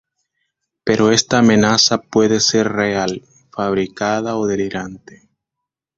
Pero esta amenaza puede ser real, fabricada o delirante.